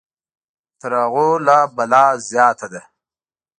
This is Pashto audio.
تر هغوی لا بلا زیاته ده.